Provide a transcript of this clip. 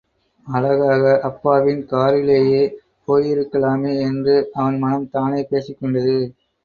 அழகாக அப்பாவின் காரிலேயே போயிருக்கலாமே, என்று அவன் மனம் தானே பேசிக் கொண்டது.